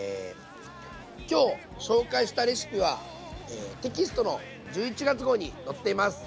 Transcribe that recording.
今日紹介したレシピはテキストの１１月号に載っています。